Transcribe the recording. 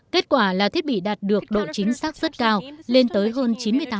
kết quả là thiết bị đạt được độ chính xác rất cao lên tới hơn chín mươi tám